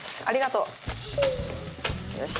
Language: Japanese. ありがとう。